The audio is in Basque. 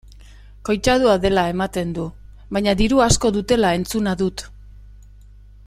Koitadua dela ematen du baina diru asko dutela entzuna dut.